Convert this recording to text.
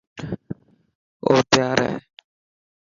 او تيار هي.